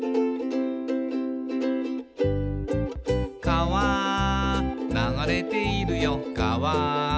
「かわ流れているよかわ」